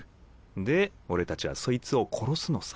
で俺たちはそいつを殺すのさ。